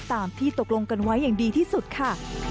ตามที่ตกลงกันไว้อย่างดีที่สุดค่ะ